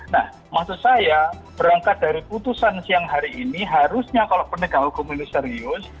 nah maksud saya berangkat dari putusan siang hari ini harusnya kalau penegak hukum ini serius